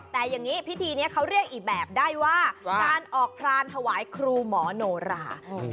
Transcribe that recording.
แต่อย่างนี้พิธีนี้เขาเรียกอีกแบบได้ว่าการออกพรานถวายครูหมอโนรา